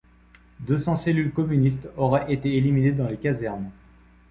Deux cents cellules communistes auraient été éliminées dans les casernes.